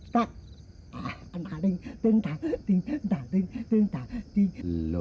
tak penting tentang tingkatnya tentang di lo